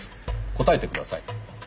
答えてください。